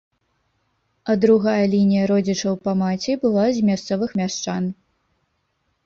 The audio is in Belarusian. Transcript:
А другая лінія родзічаў па маці была з мясцовых мяшчан.